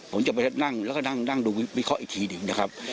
ผมจะไปนั่งแล้วก็นั่งดูวิเคราะห์อีกทีหนึ่งนะครับ